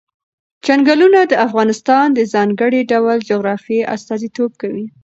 چنګلونه د افغانستان د ځانګړي ډول جغرافیه استازیتوب کوي.